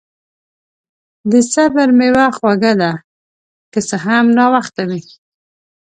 د صبر میوه خوږه ده، که څه هم ناوخته وي.